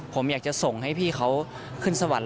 ผมอยากจะส่งให้พี่เขาขึ้นสวรรค์